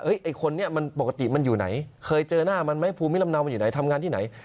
ไอ้คนนี้มันปกติมันอยู่ไหนเคยเจอหน้ามันไหมภูมิลำเนามันอยู่ไหนทำงานที่ไหน